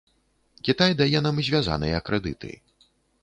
Кітай дае нам звязаныя крэдыты.